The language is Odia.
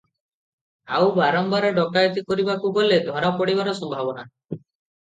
ଆଉ ବାରମ୍ବାର ଡକାଏତି କରିବାକୁ ଗଲେ ଧରା ପଡ଼ିବାର ସମ୍ଭାବନା ।